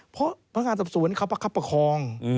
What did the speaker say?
เพราะพนักงานสอบสวนเขาประคับประคอง